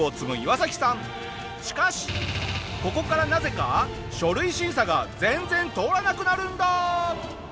しかしここからなぜか書類審査が全然通らなくなるんだ！